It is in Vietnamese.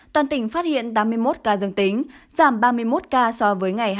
toàn tỉnh phát hiện tám mươi một ca dương tính giảm ba mươi một ca so với ngày hai mươi bốn tháng chín